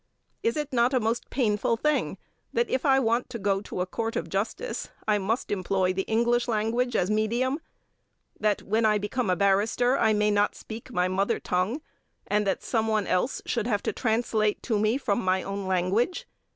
Is it not a most painful thing that, if I want to go to a court of justice, I must employ the English language as medium; that, when I become a barrister, I may not speak my mother tongue, and that some one else should have to translate to me from my own language?